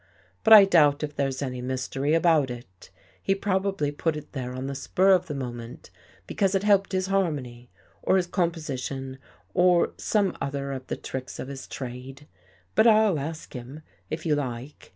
But I doubt if there's any mystery about it. He probably put it there on the spur of the moment, because it helped his harmony or his composition, or some other of the tricks of his trade. But I'll ask him, if you like.